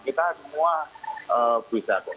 kita semua bisa